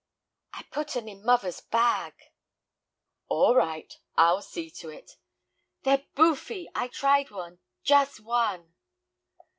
"I put 'em in muvver's bag." "All right. I'll see to it." "They're boofy; I tried one, jus' one."